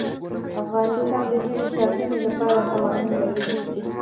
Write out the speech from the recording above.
افغانستان د ژبې د ساتنې لپاره قوانین لري.